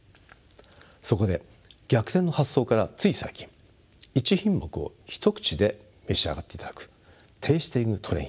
そこで逆転の発想からつい最近１品目を一口で召し上がっていただくＴａｓｔｉｎｇＴｒａｉｎ